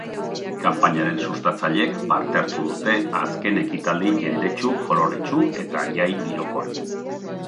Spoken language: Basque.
Kanpainaren sustatzaileek parte hartu dute azken ekitaldi jendetsu, koloretsu eta jai girokoan.